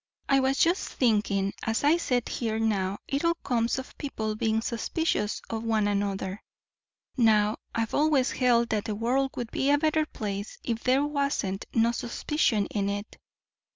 "I was just thinking as I set here how it all comes of people being suspicious of one another. Now I've always held that the world would be a better place if there wasn't no suspicion in it.